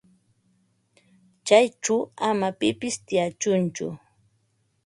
Chayćhu ama pipis tiyachunchu.